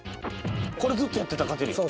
これずっとやってたら勝てるやん。